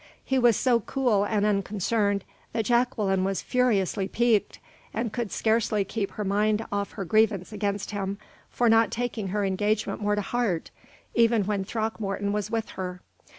He was so cool and unconcerned that Jacqueline was furiously piqued, and could scarcely keep her mind off her grievance against him for not taking her engagement more to heart, even when Throckmorton was with her.